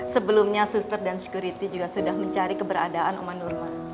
sebelumnya suster dan security juga sudah mencari keberadaan oma nurman